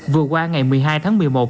vừa qua ngày một mươi hai tháng một mươi một